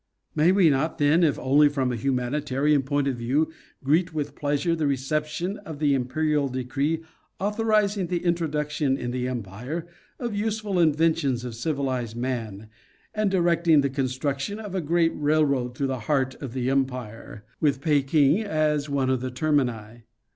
May we not, then, if only from a humanita rian point of view, greet with pleasure the reception of the imperial decree authorizing the introduction in the empire of useful inventions of civilized man, and directing the construc tion of a great railroad through the heart of the empire, with Pekin as one of the termini.